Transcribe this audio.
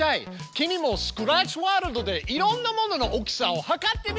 君もスクラッチワールドでいろんなもののおっきさを測ってみよう！